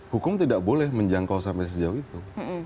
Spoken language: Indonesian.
hukum tidak boleh menjangkau sampai sejauh itu